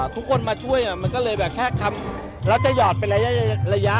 ทุกคนมาช่วยมันก็เลยแบบแค่คำแล้วจะหอดเป็นระยะ